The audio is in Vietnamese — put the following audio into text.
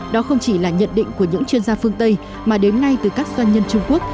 đó không chỉ là nhận định của những chuyên gia phương tây mà đến ngay từ các doanh nhân trung quốc